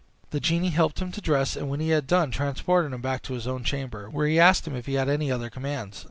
The genie helped him to dress, and when he had done, transported him back to his own chamber, where he asked him if he had any other commands.